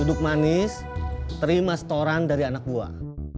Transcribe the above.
duduk manis terima setoran dari anak buah